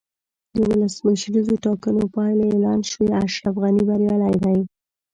د ولسمشریزو ټاکنو پایلې اعلان شوې، اشرف غني بریالی دی.